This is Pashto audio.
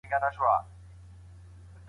زغم له بې صبرۍ څخه ډېر مهم دی.